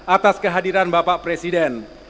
atas kehadiran bapak presiden